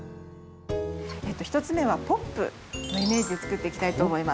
１つ目はポップのイメージで作っていきたいと思います。